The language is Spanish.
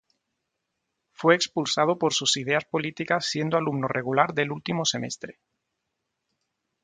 Fue expulsado por sus ideas políticas siendo alumno regular del último semestre.